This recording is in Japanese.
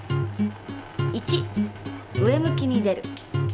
１「上向きに出る」。